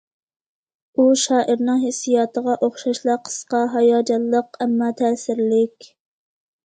ئۇ شائىرنىڭ ھېسسىياتىغا ئوخشاشلا قىسقا، ھاياجانلىق، ئەمما تەسىرلىك.